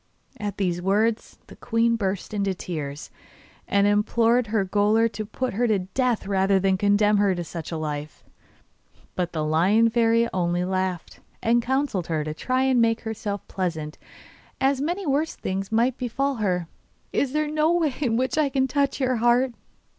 At these words the queen burst into tears, and implored her gaoler to put her to death rather than condemn her to such a life; but the Lion Fairy only laughed, and counselled her to try to make herself pleasant, as many worse things might befall her. 'Is there no way in which I can touch your heart?